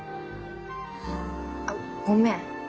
あっごめん。